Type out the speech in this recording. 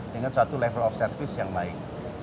dengan suatu level of service yang baik